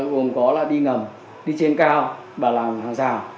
gồm có là đi ngầm đi trên cao và làm hàng rào